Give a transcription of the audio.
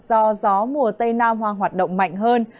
do gió mùa tây nam hoạt động mạnh hơn